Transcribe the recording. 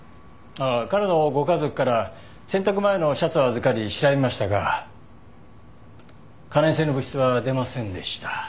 ああ彼のご家族から洗濯前のシャツを預かり調べましたが可燃性の物質は出ませんでした。